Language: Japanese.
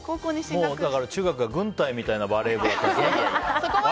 中学は軍隊みたいなバレーボール部だったんですね。